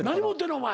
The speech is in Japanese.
お前。